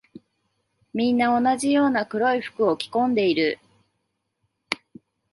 みんな同じような黒い服を着込んでいる。